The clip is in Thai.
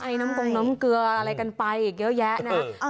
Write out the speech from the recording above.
น้ำกงน้ำเกลืออะไรกันไปอีกเยอะแยะนะ